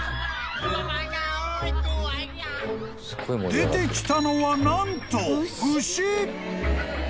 ［出てきたのは何と］